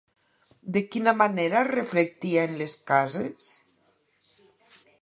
De quina manera es reflectia en les cases?